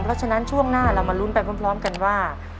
เพราะฉะนั้นช่วงหน้าเรามาลุ้นไปพร้อมกันว่า